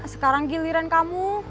sekarang giliran kamu